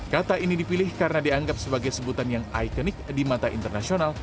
kata ini dipilih karena dianggap sebagai sebutan yang ikonik di mata internasional